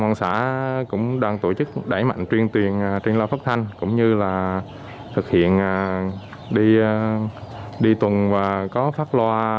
an xã cũng đang tổ chức đẩy mạnh truyền lo phát thanh cũng như là thực hiện đi tuần và có phát loa